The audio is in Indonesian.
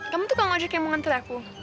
kamu tuh kamu ajak yang mau nganter aku